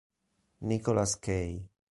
Nicholas Kay